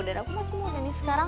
dan aku masih muda nih sekarang